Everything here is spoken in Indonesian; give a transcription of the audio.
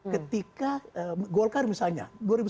ketika golkar misalnya dua ribu sembilan belas